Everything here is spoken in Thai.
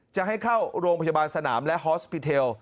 จะให้เข้าโรงพยาบาลสนามและฮอสปิเทล